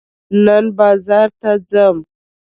نن بازار ته ځم.